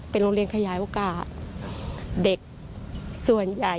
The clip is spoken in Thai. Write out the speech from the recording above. พนั้นนี้นะลิ่นทองเนี่ย